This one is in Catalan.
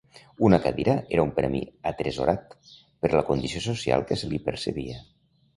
Una cadira era un premi atresorat, per la condició social que se li percebia.